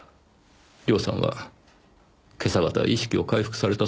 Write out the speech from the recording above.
涼さんは今朝方意識を回復されたそうですよ。